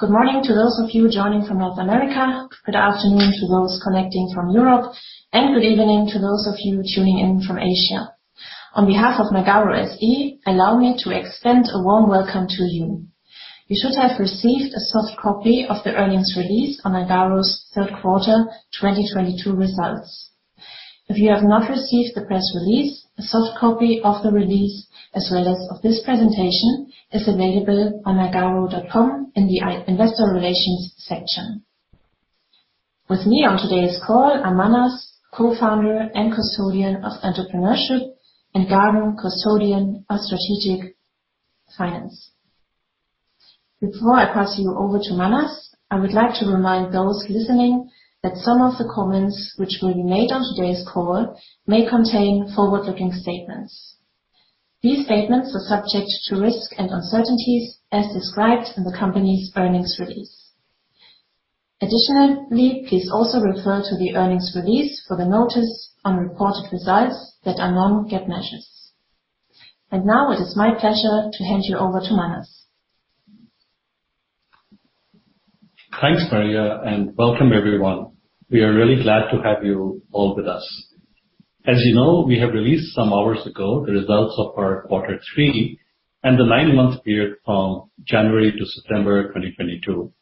Good morning to those of you joining from North America, good afternoon to those connecting from Europe, and good evening to those of you tuning in from Asia. On behalf of Nagarro SE, allow me to extend a warm welcome to you. You should have received a soft copy of the earnings release on Nagarro's third quarter 2022 results. If you have not received the press release, a soft copy of the release as well as of this presentation is available on nagarro.com in the investor relations section. With me on today's call are Manas, Co-Founder and Custodian of Entrepreneurship, and Gagan, Custodian of Strategic Finance. Before I pass you over to Manas, I would like to remind those listening that some of the comments which will be made on today's call may contain forward-looking statements. These statements are subject to risks and uncertainties as described in the company's earnings release. Additionally, please also refer to the earnings release for the notice on reported results that are non-GAAP measures. Now it is my pleasure to hand you over to Manas. Thanks, Maria, and welcome everyone. We are really glad to have you all with us. As you know, we have released some hours ago the results of our quarter three and the nine-month period from January to September 2022.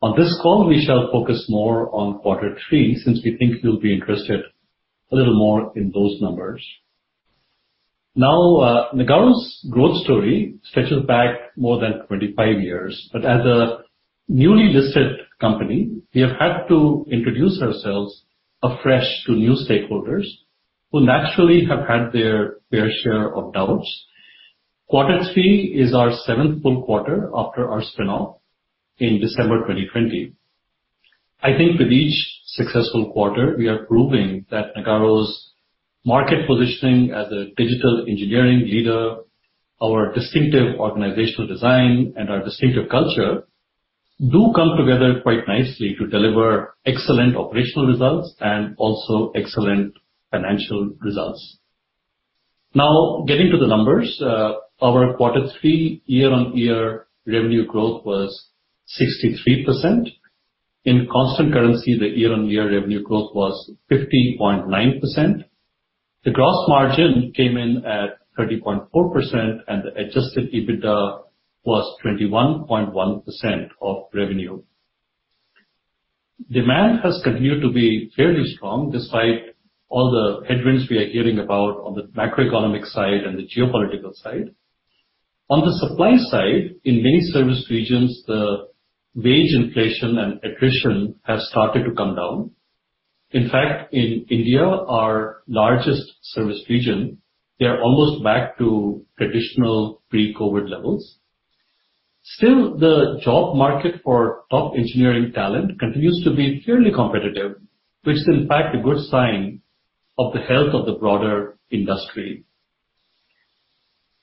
On this call, we shall focus more on quarter three since we think you'll be interested a little more in those numbers. Now, Nagarro's growth story stretches back more than 25 years. As a newly listed company, we have had to introduce ourselves afresh to new stakeholders who naturally have had their fair share of doubts. Quarter three is our seventh full quarter after our spin off in December 2020. I think with each successful quarter, we are proving that Nagarro's market positioning as a digital engineering leader, our distinctive organizational design, and our distinctive culture do come together quite nicely to deliver excellent operational results and also excellent financial results. Now getting to the numbers. Our quarter three year-on-year revenue growth was 63%. In constant currency, the year-on-year revenue growth was 50.9%. The gross margin came in at 30.4%, and the Adjusted EBITDA was 21.1% of revenue. Demand has continued to be fairly strong despite all the headwinds we are hearing about on the macroeconomic side and the geopolitical side. On the supply side, in many service regions, the wage inflation and attrition has started to come down. In fact, in India, our largest service region, they are almost back to traditional pre-COVID levels. Still, the job market for top engineering talent continues to be fairly competitive, which is in fact a good sign of the health of the broader industry.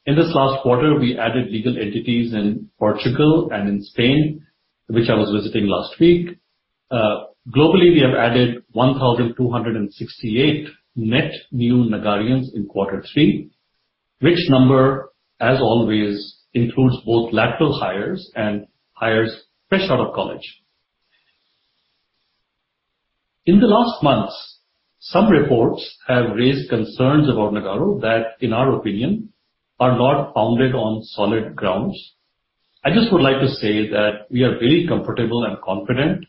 In this last quarter, we added legal entities in Portugal and in Spain, which I was visiting last week. Globally, we have added 1,268 net new Nagarrians in quarter three, which number, as always, includes both lateral hires and hires fresh out of college. In the last months, some reports have raised concerns about Nagarro that, in our opinion, are not founded on solid grounds. I just would like to say that we are very comfortable and confident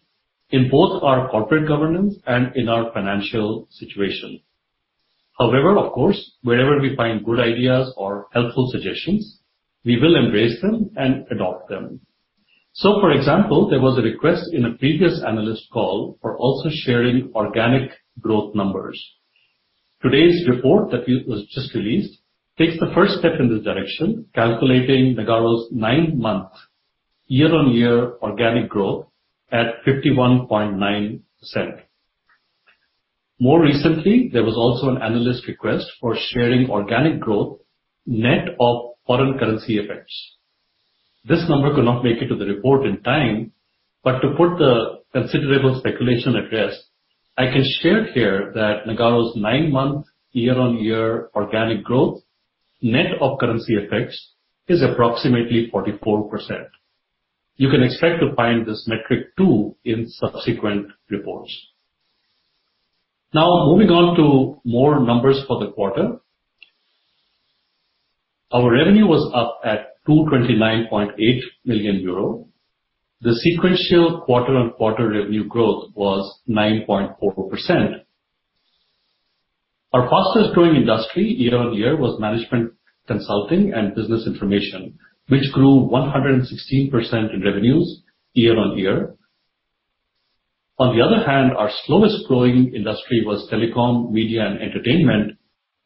in both our corporate governance and in our financial situation. However, of course, wherever we find good ideas or helpful suggestions, we will embrace them and adopt them. For example, there was a request in a previous analyst call for also sharing organic growth numbers. Today's report that was just released takes the first step in this direction, calculating Nagarro's nine-month year-on-year organic growth at 51.9%. More recently, there was also an analyst request for sharing organic growth net of foreign currency effects. This number could not make it to the report in time, but to put the considerable speculation at rest, I can share here that Nagarro's nine-month year-on-year organic growth net of currency effects is approximately 44%. You can expect to find this metric too in subsequent reports. Now moving on to more numbers for the quarter. Our revenue was up at 229.8 million euro. The sequential quarter-on-quarter revenue growth was 9.44%. Our fastest growing industry year-on-year was management consulting and business information, which grew 116% in revenues year on year. On the other hand, our slowest growing industry was telecom, media and entertainment,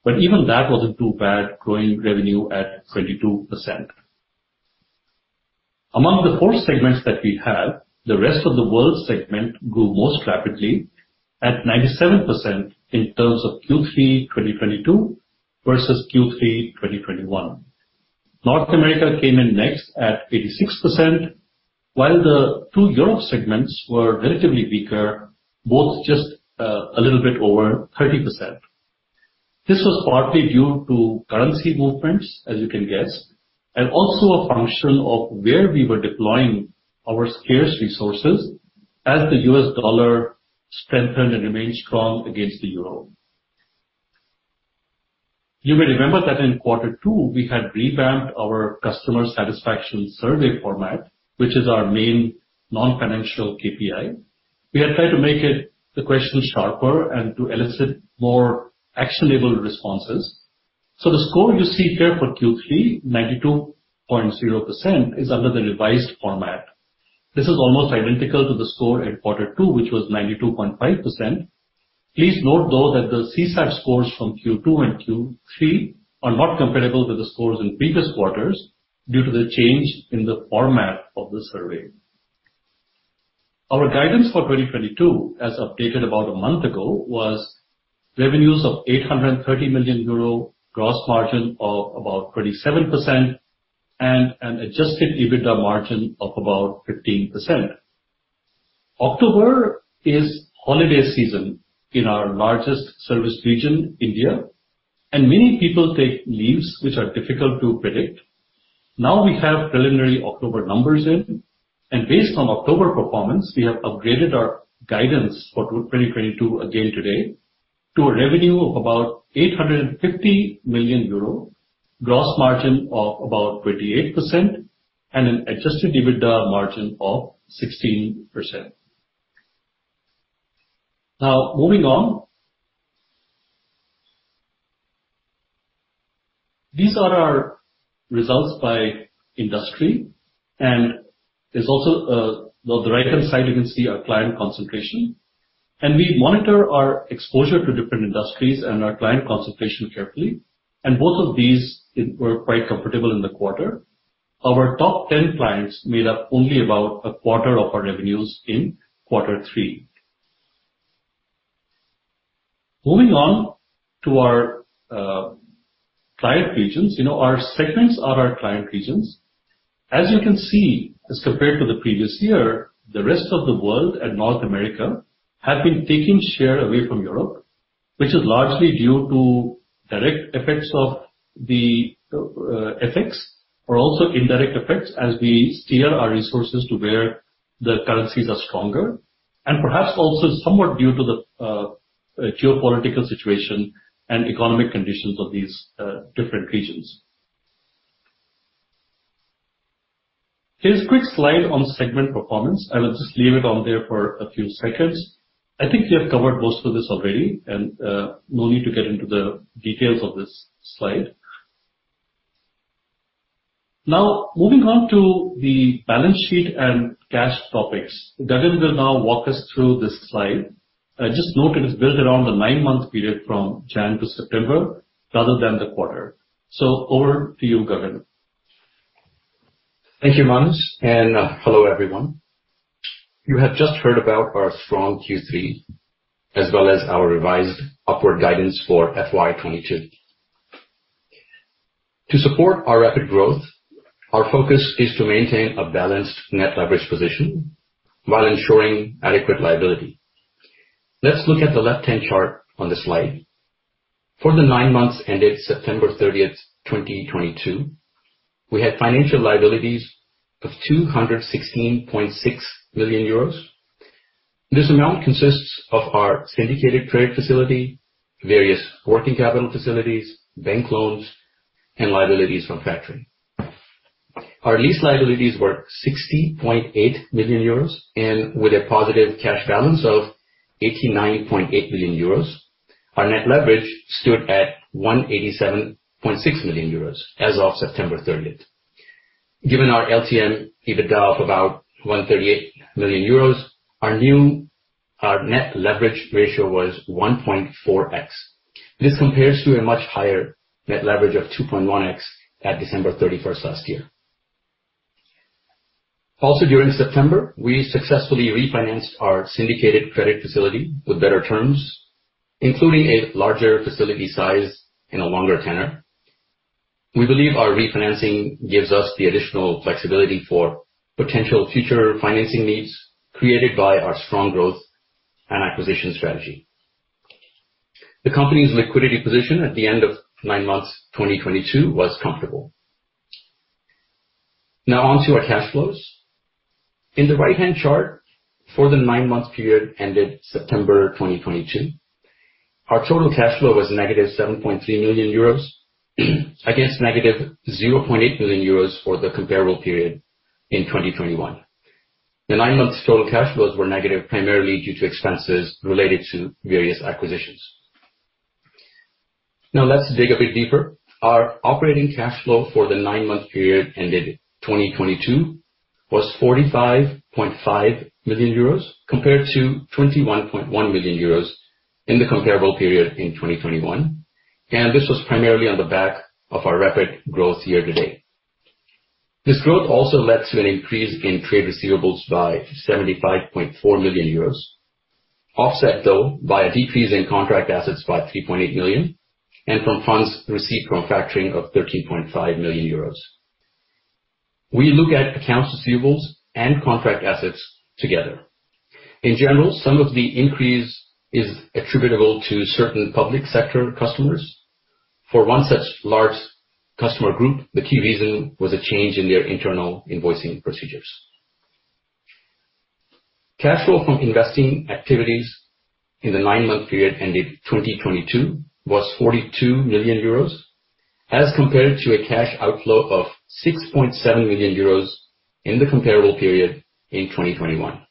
but even that wasn't too bad, growing revenue at 22%. Among the four segments that we have, the rest of the world segment grew most rapidly at 97% in terms of Q3 2022 versus Q3 2021. North America came in next at 86%, while the two Europe segments were relatively weaker, both just a little bit over 30%. This was partly due to currency movements, as you can guess, and also a function of where we were deploying our scarce resources as the U.S. dollar strengthened and remained strong against the euro. You may remember that in quarter two, we had revamped our customer satisfaction survey format, which is our main non-financial KPI. We had tried to make it, the questions sharper and to elicit more actionable responses. The score you see here for Q3, 92.0%, is under the revised format. This is almost identical to the score in quarter two, which was 92.5%. Please note, though, that the CSAT scores from Q2 and Q3 are not comparable with the scores in previous quarters due to the change in the format of the survey. Our guidance for 2022, as updated about a month ago, was revenues of 830 million euro, gross margin of about 37%, and an Adjusted EBITDA margin of about 15%. October is holiday season in our largest service region, India, and many people take leaves which are difficult to predict. Now we have preliminary October numbers in, and based on October performance, we have upgraded our guidance for 2022 again today to a revenue of about 850 million euro, gross margin of about 28%, and an Adjusted EBITDA margin of 16%. Now moving on. These are our results by industry. There's also, the right-hand side, you can see our client concentration. We monitor our exposure to different industries and our client concentration carefully. Both of these were quite comfortable in the quarter. Our top 10 clients made up only about a quarter of our revenues in quarter three. Moving on to our client regions. You know, our segments are our client regions. As you can see, as compared to the previous year, the rest of the world and North America have been taking share away from Europe, which is largely due to direct effects or also indirect effects as we steer our resources to where the currencies are stronger, and perhaps also somewhat due to the geopolitical situation and economic conditions of these different regions. Here's a quick slide on segment performance. I will just leave it on there for a few seconds. I think we have covered most of this already and no need to get into the details of this slide. Now, moving on to the balance sheet and cash topics. Gagan will now walk us through this slide. Just note it is built around the nine-month period from January to September, rather than the quarter. Over to you, Gagan. Thank you, Manas, and hello, everyone. You have just heard about our strong Q3 as well as our revised upward guidance for FY 2022. To support our rapid growth, our focus is to maintain a balanced net leverage position while ensuring adequate liquidity. Let's look at the left-hand chart on the slide. For the nine months ended September 30th, 2022, we had financial liabilities of 216.6 million euros. This amount consists of our syndicated credit facility, various working capital facilities, bank loans, and liabilities from factoring. Our lease liabilities were 60.8 million euros, and with a positive cash balance of 89.8 million euros. Our net leverage stood at 187.6 million euros as of September 30th. Given our LTM EBITDA of about 138 million euros, our new net leverage ratio was 1.4x. This compares to a much higher net leverage of 2.1x at December 31st last year. Also, during September, we successfully refinanced our syndicated credit facility with better terms, including a larger facility size and a longer tenor. We believe our refinancing gives us the additional flexibility for potential future financing needs created by our strong growth and acquisition strategy. The company's liquidity position at the end of nine months, 2022 was comfortable. Now on to our cash flows. In the right-hand chart, for the nine-month period ended September 2022, our total cash flow was -7.3 million euros against -0.8 million euros for the comparable period in 2021. The nine months total cash flows were negative, primarily due to expenses related to various acquisitions. Now let's dig a bit deeper. Our operating cash flow for the nine-month period ended 2022 was 45.5 million euros compared to 21.1 million euros in the comparable period in 2021. This was primarily on the back of our rapid growth year-to-date. This growth also led to an increase in trade receivables by 75.4 million euros. Offset, though, by a decrease in contract assets by 3.8 million and from funds received from factoring of 13.5 million euros. We look at accounts receivables and contract assets together. In general, some of the increase is attributable to certain public sector customers. For one such large customer group, the key reason was a change in their internal invoicing procedures. Cash flow from investing activities in the nine-month period ended 2022 was 42 million euros as compared to a cash outflow of 6.7 million euros in the comparable period in 2021.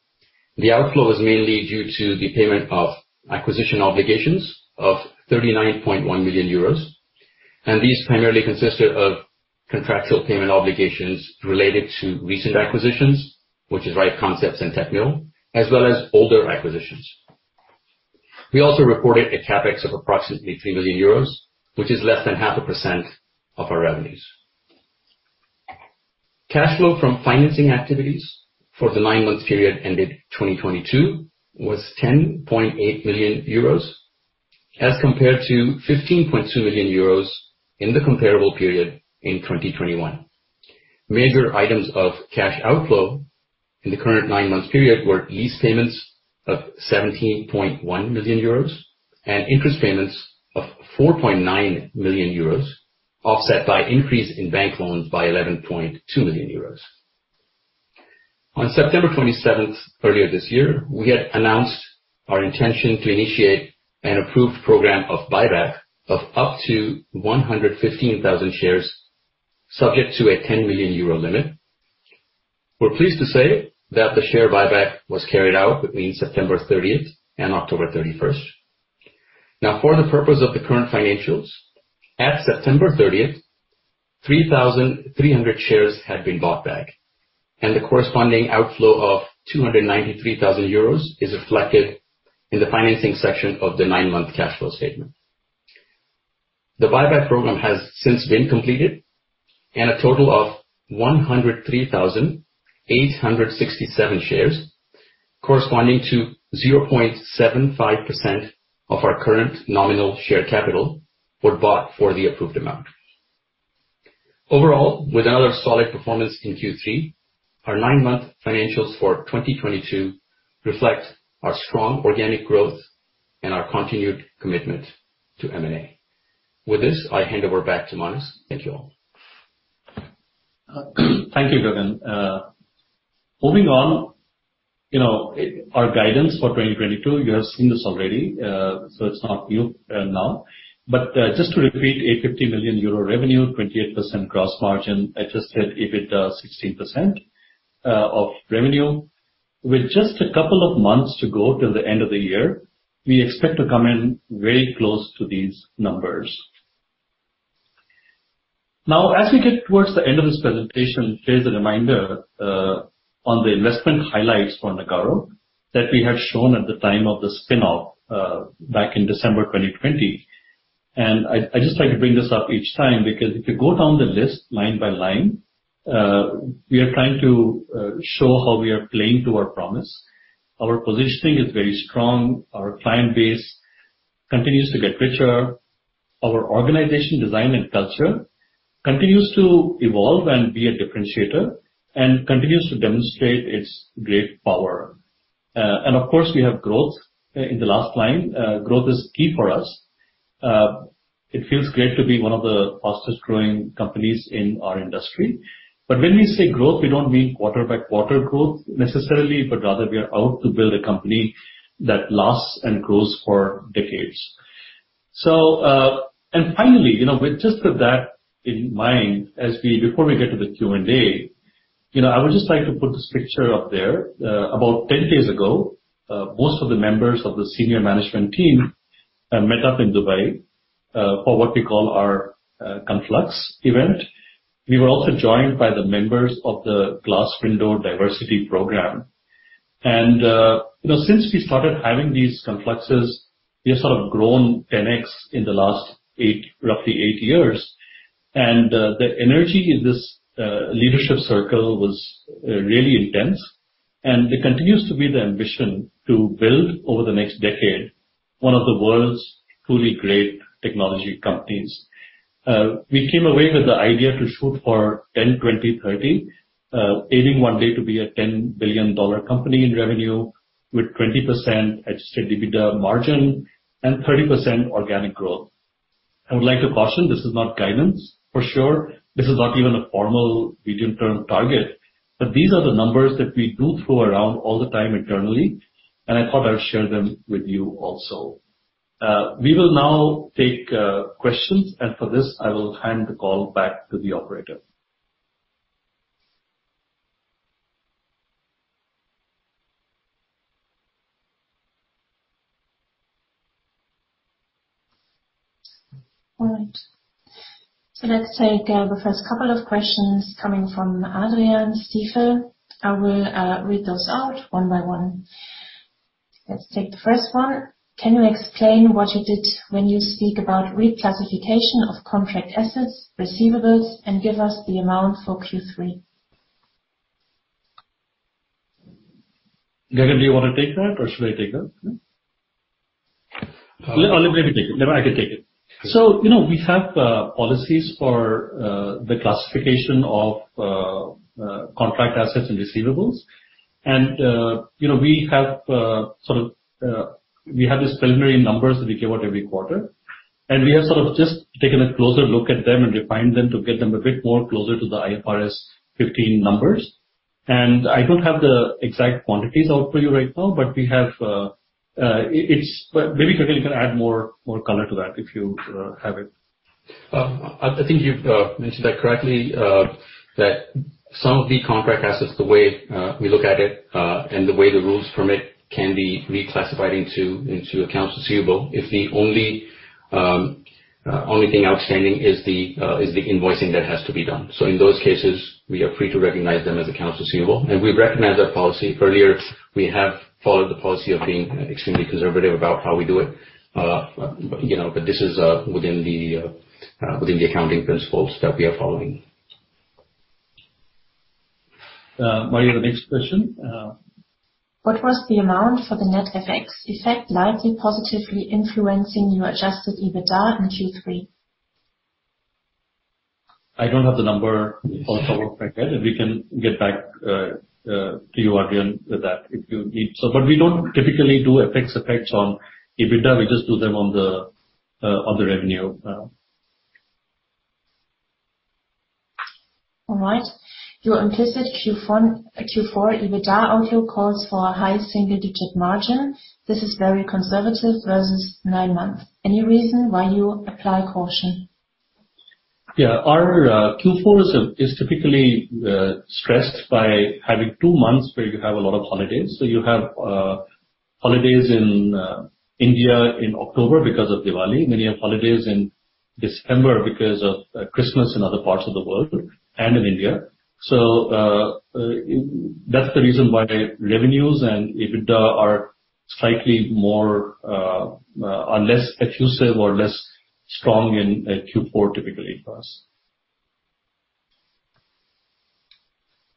The outflow was mainly due to the payment of acquisition obligations of 39.1 million euros, and these primarily consisted of contractual payment obligations related to recent acquisitions, which are RipeConcepts and Techno, as well as older acquisitions. We also reported a CapEx of approximately 3 million euros, which is less than 0.5% of our revenues. Cash flow from financing activities for the nine-month period ended 2022 was 10.8 million euros, as compared to 15.2 million euros in the comparable period in 2021. Major items of cash outflow in the current nine-month period were lease payments of 17.1 million euros and interest payments of 4.9 million euros, offset by increase in bank loans by 11.2 million euros. On September 27th, earlier this year, we had announced our intention to initiate an approved program of buyback of up to 115,000 shares, subject to a 10 million euro limit. We're pleased to say that the share buyback was carried out between September 30th and October 31st. Now, for the purpose of the current financials, at September 30th, 3,300 shares had been bought back, and the corresponding outflow of 293,000 euros is reflected in the financing section of the nine-month cash flow statement. The buyback program has since been completed, and a total of 103,867 shares, corresponding to 0.75% of our current nominal share capital, were bought for the approved amount. Overall, with another solid performance in Q3, our nine-month financials for 2022 reflect our strong organic growth and our continued commitment to M&A. With this, I hand over back to Manas. Thank you all. Thank you, Gagan. Moving on. You know, our guidance for 2022, you have seen this already, so it's not new, now. Just to repeat, 50 million euro revenue, 28% gross margin, Adjusted EBITDA 16% of revenue. With just a couple of months to go till the end of the year, we expect to come in very close to these numbers. Now, as we get towards the end of this presentation, here's a reminder on the investment highlights for Nagarro that we had shown at the time of the spin-off back in December 2020. I just like to bring this up each time, because if you go down the list line by line, we are trying to show how we are playing to our promise. Our positioning is very strong. Our client base continues to get richer. Our organization design and culture continues to evolve and be a differentiator and continues to demonstrate its great power. Of course, we have growth in the last line. Growth is key for us. It feels great to be one of the fastest growing companies in our industry. When we say growth, we don't mean quarter by quarter growth necessarily, but rather we are out to build a company that lasts and grows for decades. Finally, you know, with just that in mind, before we get to the Q&A, you know, I would just like to put this picture up there. About 10 days ago, most of the members of the senior management team met up in Dubai for what we call our Conflux event. We were also joined by the members of the Glass Window Diversity Program. Since we started having these Confluxes, we have sort of grown 10x in the last eight, roughly eight years. The energy in this leadership circle was really intense, and it continues to be the ambition to build over the next decade, one of the world's truly great technology companies. We came away with the idea to shoot for 10-20-30, aiming one day to be a $10 billion company in revenue with 20% Adjusted EBITDA margin and 30% organic growth. I would like to caution this is not guidance for sure. This is not even a formal medium-term target, but these are the numbers that we do throw around all the time internally, and I thought I'd share them with you also. We will now take questions, and for this, I will hand the call back to the operator. All right. Let's take the first couple of questions coming from Adrian Pehl. I will read those out one by one. Let's take the first one. Can you explain what you did when you speak about reclassification of contract assets, receivables, and give us the amount for Q3? Gagan, do you wanna take that or should I take that? Let me take it. I can take it. You know, we have policies for the classification of contract assets and receivables. You know, we have sort of these preliminary numbers that we give out every quarter, and we have sort of just taken a closer look at them and refined them to get them a bit more closer to the IFRS 15 numbers. I don't have the exact quantities out for you right now. Maybe Gagan can add more color to that if you have it. I think you've mentioned that correctly, that some of the contract assets, the way we look at it, and the way the rules permit can be reclassified into accounts receivable if the only thing outstanding is the invoicing that has to be done. In those cases, we are free to recognize them as accounts receivable. We've recognized that policy earlier. We have followed the policy of being extremely conservative about how we do it. You know, this is within the accounting principles that we are following. Maria, the next question. What was the amount for the net FX effect likely positively influencing your Adjusted EBITDA in Q3? I don't have the number off the top of my head, and we can get back to you, Adrian, with that if you need so. We don't typically do FX effects on EBITDA. We just do them on the revenue. All right. Your implicit Q4 EBITDA outlook calls for high single-digit percentage margin. This is very conservative versus nine months. Any reason why you apply caution? Yeah. Our Q4s is typically stressed by having two months where you have a lot of holidays. You have holidays in India in October because of Diwali. Many have holidays in December because of Christmas in other parts of the world and in India. That's the reason why revenues and EBITDA are less elusive or less strong in Q4 typically for us.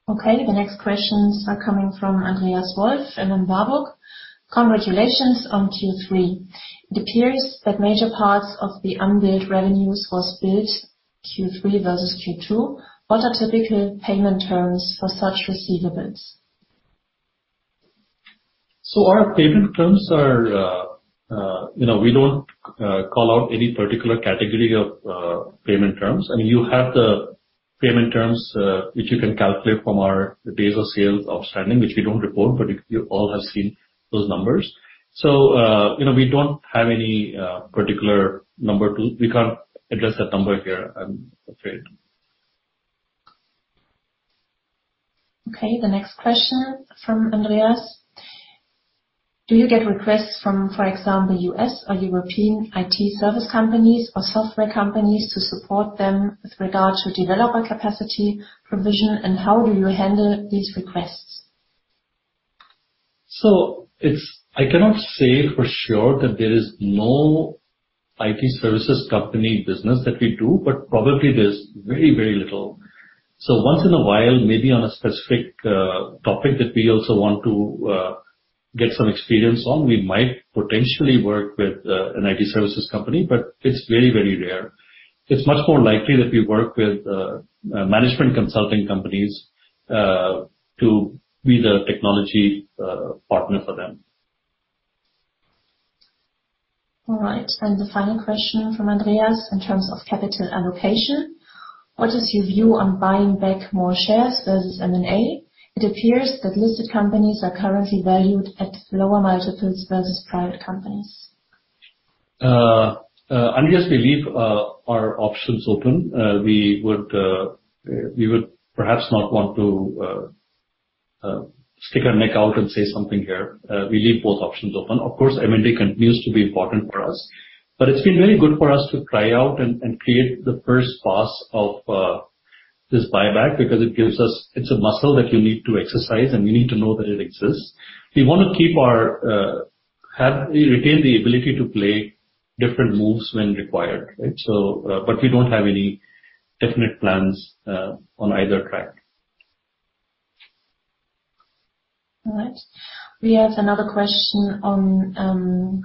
Okay. The next questions are coming from Andreas Wolf, Warburg Research. Congratulations on Q3. It appears that major parts of the unbilled revenues was billed Q3 versus Q2. What are typical payment terms for such receivables? Our payment terms are, you know, we don't call out any particular category of payment terms. I mean, you have the payment terms, which you can calculate from our days of sales outstanding, which we don't report, but you all have seen those numbers. You know, we don't have any particular number. We can't address that number here, I'm afraid. Okay. The next question from Andreas: Do you get requests from, for example, U.S. or European IT service companies or software companies to support them with regards to developer capacity provision, and how do you handle these requests? I cannot say for sure that there is no IT services company business that we do, but probably there's very, very little. Once in a while, maybe on a specific topic that we also want to get some experience on, we might potentially work with an IT services company, but it's very, very rare. It's much more likely that we work with management consulting companies to be the technology partner for them. All right. The final question from Andreas: In terms of capital allocation, what is your view on buying back more shares versus M&A? It appears that listed companies are currently valued at lower multiples versus private companies. Andreas, we leave our options open. We would perhaps not want to stick our neck out and say something here. We leave both options open. Of course, M&A continues to be important for us, but it's been very good for us to try out and create the first pass of this buyback because it gives us. It's a muscle that you need to exercise, and we need to know that it exists. We retain the ability to play different moves when required, right? But we don't have any definite plans on either track. All right. We have another question on the receivables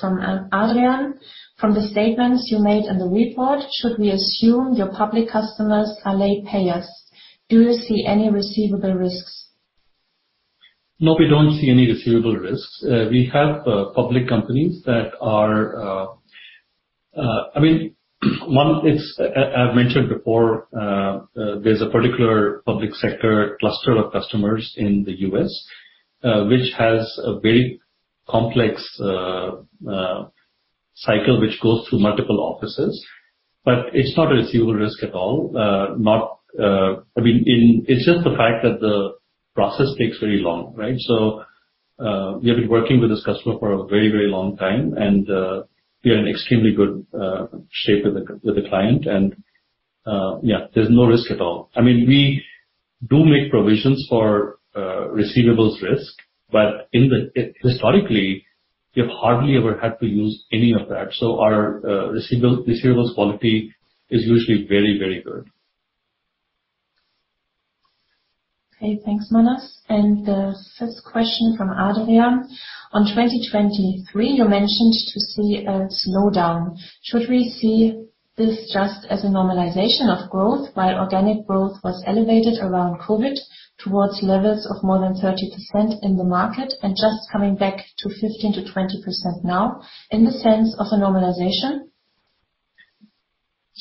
from Adrian Pehl. From the statements you made in the report, should we assume your public customers are late payers? Do you see any receivable risks? No, we don't see any receivable risks. We have public companies that are. I mean, one is, I've mentioned before, there's a particular public sector cluster of customers in the U.S., which has a very complex cycle which goes through multiple offices. It's not a receivable risk at all. It's just the fact that the process takes very long, right? We have been working with this customer for a very, very long time and, we are in extremely good shape with the client and, yeah, there's no risk at all. I mean, we do make provisions for receivables risk. Historically, we have hardly ever had to use any of that. Our receivables quality is usually very, very good. Okay, thanks, Manas. The fifth question from Adrian. On 2023, you mentioned to see a slowdown. Should we see this just as a normalization of growth while organic growth was elevated around COVID towards levels of more than 30% in the market and just coming back to 15%-20% now in the sense of a normalization?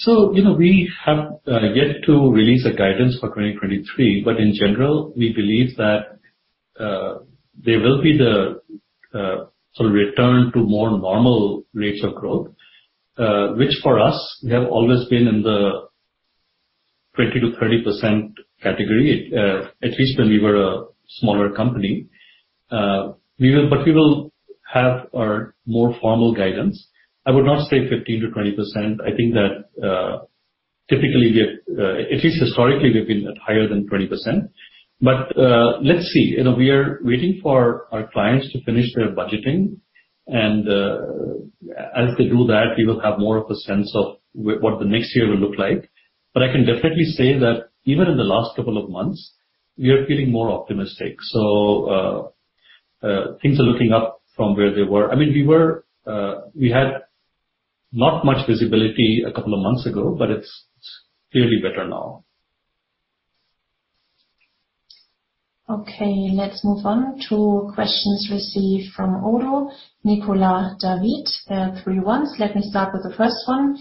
You know, we have yet to release a guidance for 2023, but in general, we believe that there will be the sort of return to more normal rates of growth, which for us, we have always been in the 20%-30% category, at least when we were a smaller company. We will have our more formal guidance. I would not say 15%-20%. I think that, typically, we have, at least historically, we've been at higher than 20%. Let's see. You know, we are waiting for our clients to finish their budgeting and, as they do that, we will have more of a sense of what the next year will look like. I can definitely say that even in the last couple of months, we are feeling more optimistic. Things are looking up from where they were. I mean, we were, we had not much visibility a couple of months ago, but it's clearly better now. Okay, let's move on. Two questions received from Nicolas David. There are three ones. Let me start with the first one.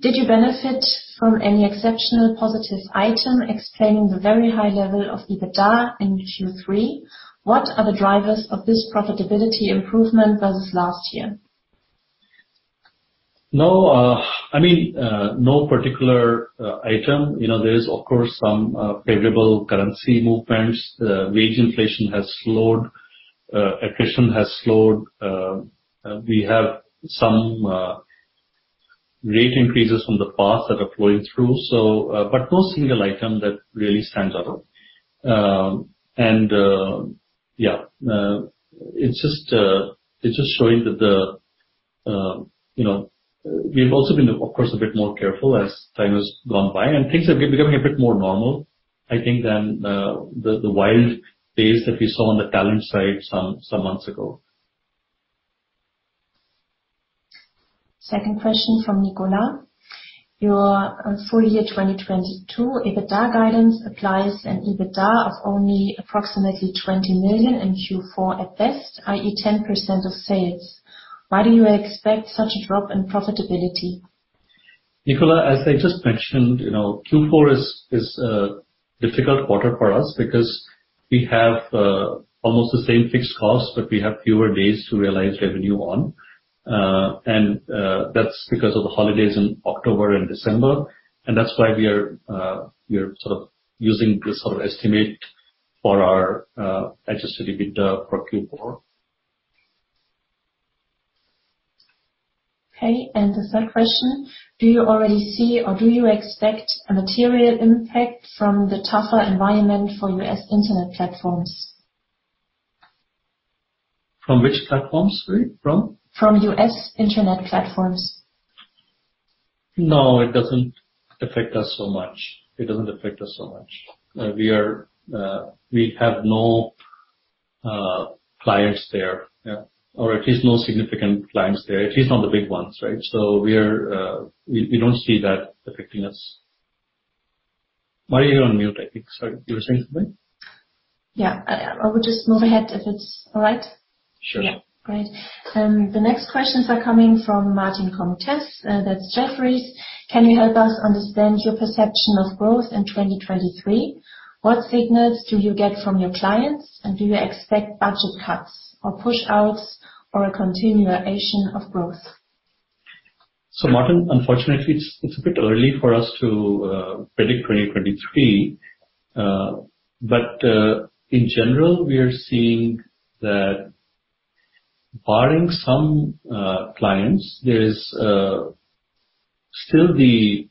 Did you benefit from any exceptional positive item explaining the very high level of EBITDA in Q3? What are the drivers of this profitability improvement versus last year? No, I mean, no particular item. You know, there is of course some favorable currency movements. Wage inflation has slowed, attrition has slowed. We have some rate increases from the past that are flowing through. But no single item that really stands out. Yeah. It's just showing that the, you know, we've also been of course a bit more careful as time has gone by, and things have been becoming a bit more normal, I think, than the wild days that we saw on the talent side some months ago. Second question from Nicolas. Your full year 2022 EBITDA guidance implies an EBITDA of only approximately 20 million in Q4 at best, i.e., 10% of sales. Why do you expect such a drop in profitability? Nicola, as I just mentioned, you know, Q4 is a difficult quarter for us because we have almost the same fixed costs, but we have fewer days to realize revenue on. That's because of the holidays in October and December, and that's why we are sort of using this sort of estimate for our Adjusted EBITDA for Q4. Okay. The third question: Do you already see or do you expect a material impact from the tougher environment for U.S. internet platforms? From which platforms? Sorry? From? From U.S. internet platforms. No, it doesn't affect us so much. We have no clients there, or at least no significant clients there, at least not the big ones, right? We don't see that affecting us. Maria, you're on mute, I think. Sorry. You were saying something? Yeah. I will just move ahead if it's all right. Sure. Yeah. Great. The next questions are coming from Martin Comtesse from Jefferies. Can you help us understand your perception of growth in 2023? What signals do you get from your clients, and do you expect budget cuts or push-outs or a continuation of growth? Martin Comtesse, unfortunately, it's a bit early for us to predict 2023. In general, we are seeing that barring some clients, there's still the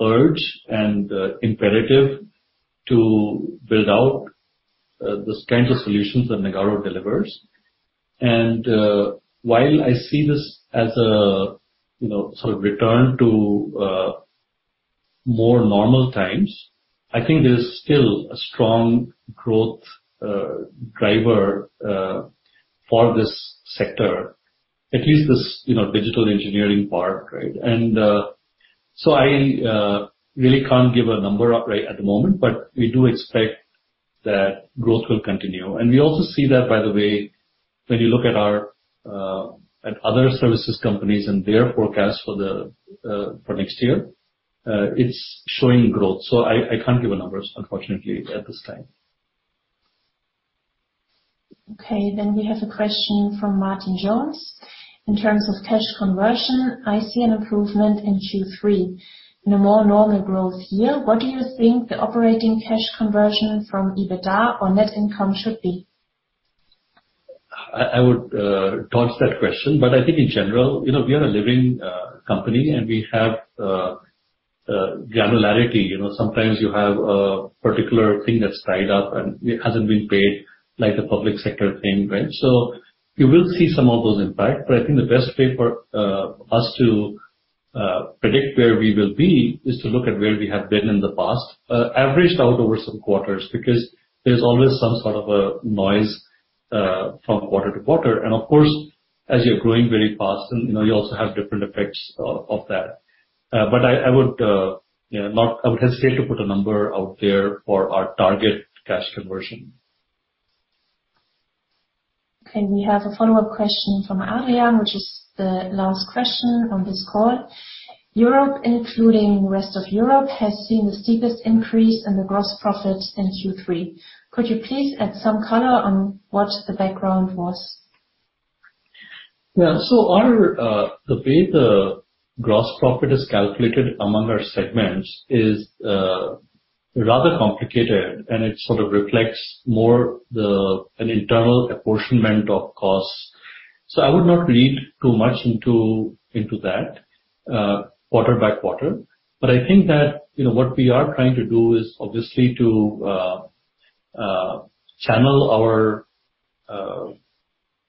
urge and imperative to build out the kinds of solutions that Nagarro delivers. While I see this as a, you know, sort of return to more normal times, I think there's still a strong growth driver for this sector, at least this, you know, digital engineering part, right? I really can't give a number right at the moment, but we do expect that growth will continue. We also see that, by the way, when you look at other services companies and their forecast for next year, it's showing growth. I can't give any numbers, unfortunately, at this time. Okay, we have a question from Martin Comtesse. In terms of cash conversion, I see an improvement in Q3. In a more normal growth year, what do you think the operating cash conversion from EBITDA or net income should be? I would dodge that question, but I think in general, you know, we are a living company, and we have the granularity, you know. Sometimes you have a particular thing that's tied up and it hasn't been paid, like a public sector payment, right? So you will see some of those impacts. I think the best way for us to predict where we will be is to look at where we have been in the past, averaged out over some quarters, because there's always some sort of a noise from quarter to quarter. Of course, as you're growing very fast and, you know, you also have different effects of that. I would hesitate to put a number out there for our target cash conversion. Okay. We have a follow-up question from Adrian, which is the last question on this call. Europe, including rest of Europe, has seen the steepest increase in the gross profit in Q3. Could you please add some color on what the background was? The way the gross profit is calculated among our segments is rather complicated, and it sort of reflects more an internal apportionment of costs. I would not read too much into that quarter by quarter. I think that, you know, what we are trying to do is obviously to channel our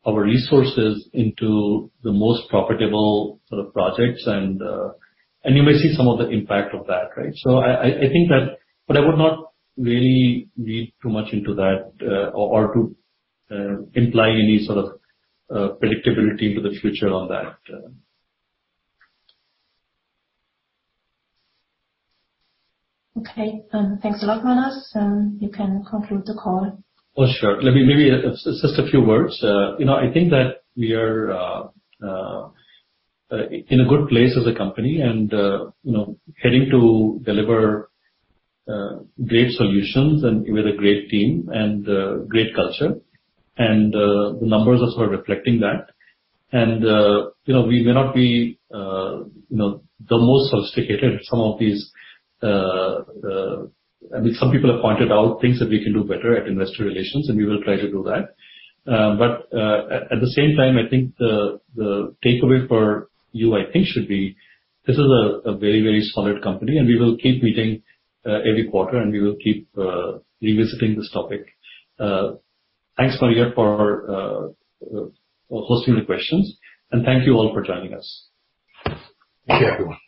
resources into the most profitable sort of projects and you may see some of the impact of that, right? I think that I would not really read too much into that or to imply any sort of predictability into the future on that. Okay. Thanks a lot, Manas. You can conclude the call. Oh, sure. Let me maybe just a few words. You know, I think that we are in a good place as a company and you know, heading to deliver great solutions and with a great team and great culture. The numbers are sort of reflecting that. You know, we may not be you know, the most sophisticated. Some of these I mean, some people have pointed out things that we can do better at investor relations, and we will try to do that. At the same time, I think the takeaway for you, I think, should be, this is a very, very solid company, and we will keep meeting every quarter and we will keep revisiting this topic. Thanks, Maria, for hosting the questions. Thank you all for joining us. Thank you, everyone.